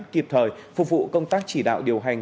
kịp thời phục vụ công tác chỉ đạo điều hành